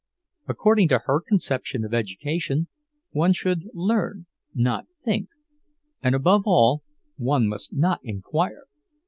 According to her conception of education, one should learn, not think; and above all, one must not enquire.